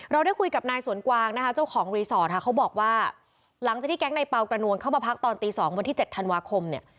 ได้คุยกับนายสวนกวางนะคะเจ้าของรีสอร์ทค่ะเขาบอกว่าหลังจากที่แก๊งในเปล่ากระนวลเข้ามาพักตอนตี๒วันที่๗ธันวาคมเนี่ย